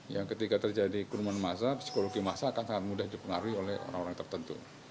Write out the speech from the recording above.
yang ketika terjadi kerumunan massa psikologi masa akan sangat mudah dipengaruhi oleh orang orang tertentu